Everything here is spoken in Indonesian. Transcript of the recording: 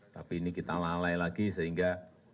tapi ini kita lalai lagi sehingga